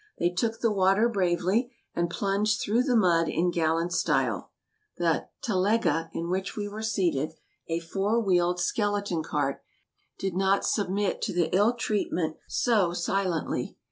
They took the water bravely, and plunged through the mud in gallant style. The telega in which we were seated — a four wheeled skeleton cart — did not submit to the ill treatment so silently.